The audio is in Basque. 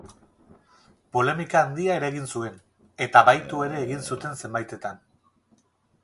Polemika handia eragin zuen, eta bahitu ere egin zuten zenbaitetan.